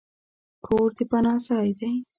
کور د پناه ځای دی.